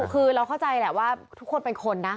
คือเราเข้าใจแหละว่าทุกคนเป็นคนนะ